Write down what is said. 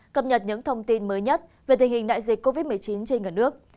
cập nhật những thông tin mới nhất về tình hình đại dịch covid một mươi chín trên cả nước